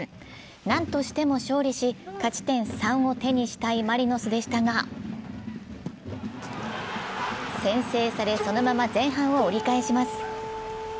なんとしても勝利し、勝ち点３を手にしたいマリノスでしたが先制され、そのまま前半を折り返します。